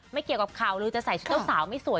ไม่เกี่ยวกับสุขภาพล้วน